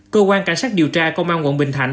cơ quan cảnh sát điều tra công an quận bình thạnh